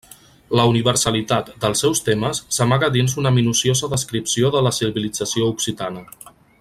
La universalitat dels seus temes s'amaga dins una minuciosa descripció de la civilització occitana.